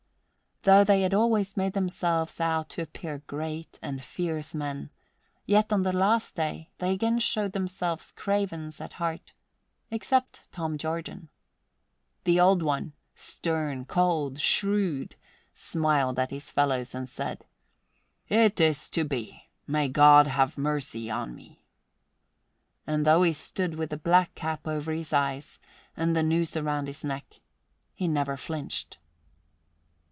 Though they had always made themselves out to appear great and fierce men, yet on that last day they again showed themselves cravens at heart except Tom Jordan. The Old One, stern, cold, shrewd, smiled at his fellows and said, "It is to be. May God have mercy on me!" And though he stood with the black cap over his eyes and the noose round his neck, he never flinched.